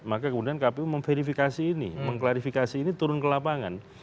maka kemudian kpu memverifikasi ini mengklarifikasi ini turun ke lapangan